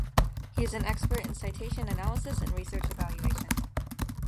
He is an expert in citation analysis and research evaluation.